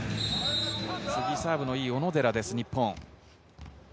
次、サーブのいい小野寺です、日本。